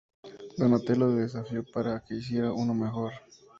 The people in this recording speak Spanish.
Donatello le desafió para que hiciera uno mejor.